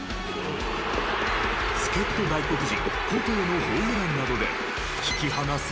助っ人外国人コトーのホームランなどで引き離す巨人。